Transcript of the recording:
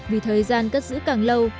vì thời gian cất giữ càng lâu